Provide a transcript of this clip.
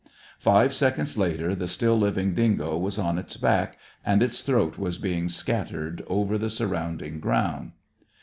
Five seconds later the still living dingo was on its back, and its throat was being scattered over the surrounding ground.